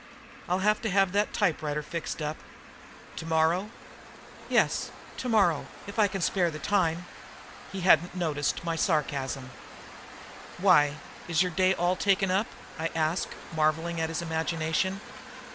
"I'll have to have that typewriter fixed up." "Tomorrow?" "Yes, tomorrow, if I can spare the time." He hadn't noticed my sarcasm. "Why, is your day all taken up?" I asked, marvelling at his imagination.